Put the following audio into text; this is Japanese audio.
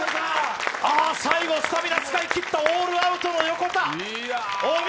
最後、スタミナ使いきったというオールアウトの横田。